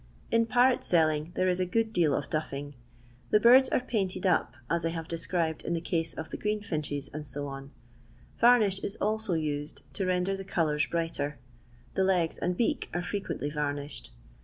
In parrot selling there is a good deal of " duffing." The birds are "painted up," as I have described in the case of the greenfinches, &c. Varnish is also used to render the colours brighter; the legs and beak are frequently varnished.